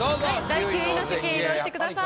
第９位の席へ移動してください。